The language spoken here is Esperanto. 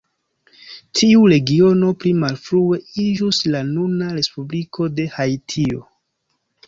Tiu regiono pli malfrue iĝus la nuna Respubliko de Haitio.